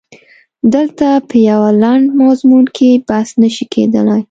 دلته په یوه لنډ مضمون کې بحث نه شي کېدلای.